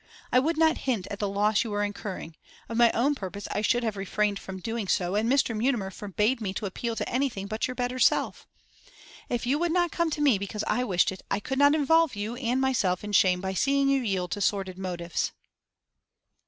I would not hint at the loss you were incurring; of my own purpose I should have refrained from doing so, and Mr. Mutimer forbade me to appeal to anything but your better self. If you would not come to me because I wished it, I could not involve you and myself in shame by seeing you yield to sordid motives.